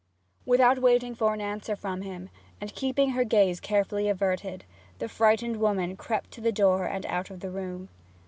Without waiting for an answer from him, and keeping her gaze carefully averted, the frightened woman crept to the door and out of the room.